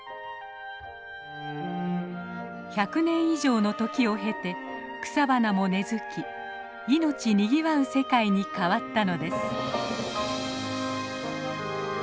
１００年以上の時を経て草花も根づき命にぎわう世界に変わったのです。